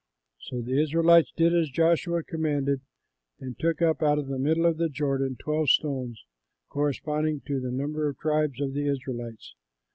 So the Israelites did as Joshua commanded and took up out of the middle of the Jordan twelve stones corresponding to the number of the tribes of the Israelites.